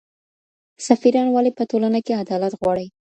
سفیران ولي په ټولنه کي عدالت غواړي؟